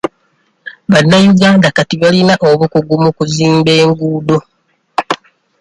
Bannayuganda kati balina obukugu mu kuzimba enguudo.